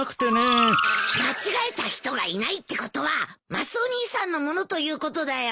間違えた人がいないってことはマスオ兄さんのものということだよ。